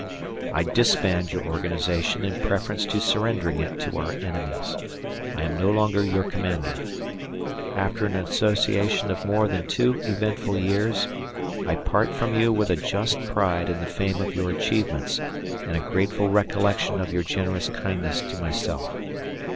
I disband your organization in preference to surrendering it to our enemies. I am no longer your Commander. After an association of more than two eventful years, I part from you with a just pride in the fame of your achievements and a grateful recollection of your generous kindness to myself.